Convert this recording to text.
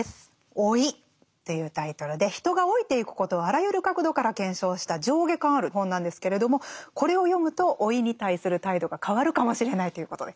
「老い」というタイトルで人が老いていくことをあらゆる角度から検証した上下巻ある本なんですけれどもこれを読むと老いに対する態度が変わるかもしれないということで。